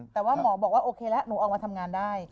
แต่ว่าหมอบอกว่าโอเคแล้วหนูออกมาทำงานได้